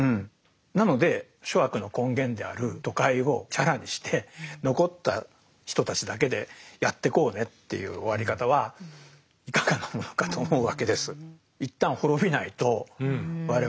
なので諸悪の根源である都会をチャラにして残った人たちだけでやってこうねっていう終わり方はいかがなものかと思うわけです。